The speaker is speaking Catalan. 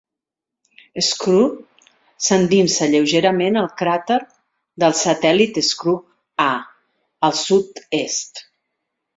Schorr s'endinsa lleugerament al cràter del satèl·lit Schorr A al sud-est.